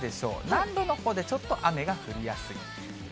南部のほうでちょっと雨が降りやすいという。